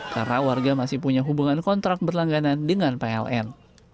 karena warga masih punya hubungan kontrak berlangganan dengan pln